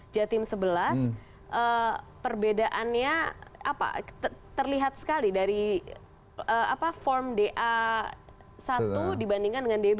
jatim sebelas perbedaannya terlihat sekali dari form da satu dibandingkan dengan db